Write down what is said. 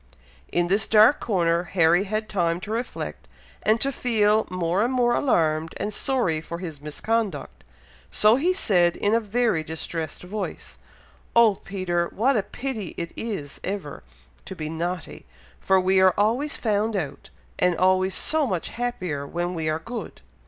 In this dark corner, Harry had time to reflect and to feel more and more alarmed and sorry for his misconduct, so he said, in a very distressed voice, "Oh, Peter! what a pity it is ever to be naughty, for we are always found out, and always so much happier when we are good!"